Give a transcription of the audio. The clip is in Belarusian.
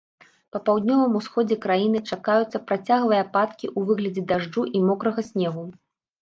Па паўднёвым усходзе краіны чакаюцца працяглыя ападкі ў выглядзе дажджу і мокрага снегу.